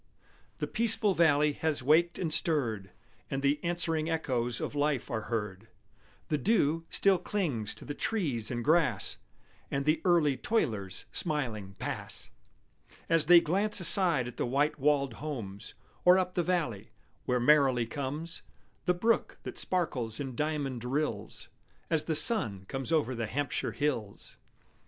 The peaceful valley has waked and stirred, And the answering echoes of life are heard; The dew still clings to the trees and grass, And the early toilers smiling pass, As they glance aside at the white walled homes, Or up the valley, where merrily comes The brook that sparkles in diamond rills As the sun comes over the Hampshire hills.